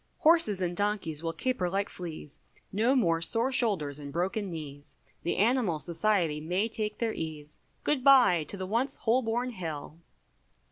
Horses and donkeys will caper like fleas, No more sore shoulders and broken knees, The animal Society may take their ease, Good bye to the once Holborn Hill.